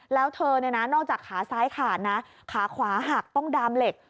แล้วเธอนอกจากขาซ้ายขาดขาขวาหักต้องดามเหล็ก